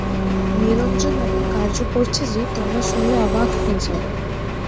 নিরঞ্জন এমন কার্য করছে যে, তোমরা শুনলে অবাক হয়ে যাবে।